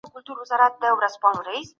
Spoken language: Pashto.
دولت باید داخلي پانګوال وهڅوي.